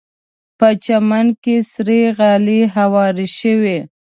په چمن کې سرې غالۍ هوارې شوې.